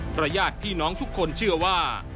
ญาติพี่น้องทุกคนเชื่อว่า